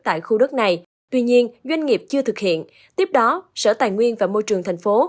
tại khu đất này tuy nhiên doanh nghiệp chưa thực hiện tiếp đó sở tài nguyên và môi trường thành phố